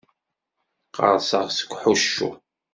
Qqerṣeɣ seg uḥuccu.